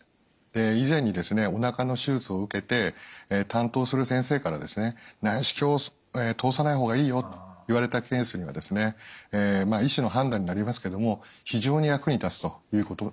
以前におなかの手術を受けて担当する先生から内視鏡を通さない方がいいよと言われたケースには医師の判断になりますけども非常に役に立つというものであります。